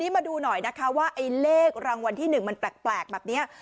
มาดูหน่อยนะคะว่าเลขรางวัลที่หนึ่งมันแปลกแปลกแบบเนี้ย